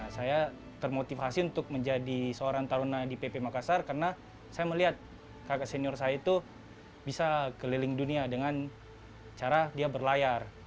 saya termotivasi untuk menjadi seorang taruna di pp makassar karena saya melihat kakak senior saya itu bisa keliling dunia dengan cara dia berlayar